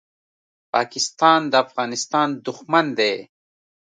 پاکستان د افغانستان دښمن دی.